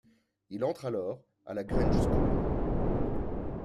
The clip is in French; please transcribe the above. Il entre alors à la Grange School.